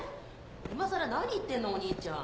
いまさら何言ってんのお兄ちゃん。